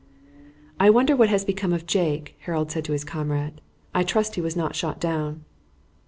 "I wonder what has become of Jake," Harold said to his comrade. "I trust he was not shot down."